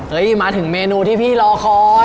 มาถึงเมนูที่พี่รอคอย